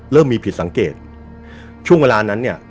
เริ่มมีผิดสังเกตช่วงเวลานั้นเนี่ย